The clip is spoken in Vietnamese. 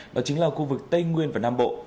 đó chính là khu vực tây nguyên và nam bộ